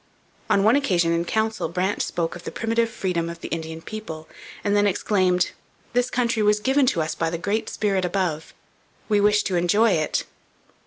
On one occasion in council Brant spoke of the primitive freedom of the Indian people, and then exclaimed: 'This country was given to us by the Great Spirit above; we wish to enjoy it.'